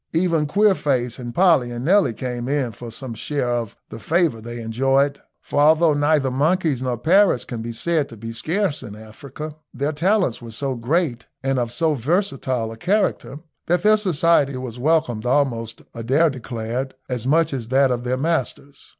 Even Queerface and Polly and Nelly came in for some share of the favour they enjoyed, for although neither monkeys nor parrots can be said to be scarce in Africa, their talents were so great and of so versatile a character, that their society was welcomed almost, Adair declared, as much as that of their masters.